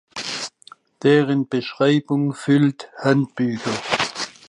Deren Beschreibung füllt Handbücher.